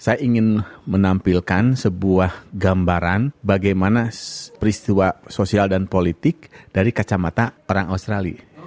saya ingin menampilkan sebuah gambaran bagaimana peristiwa sosial dan politik dari kacamata orang australia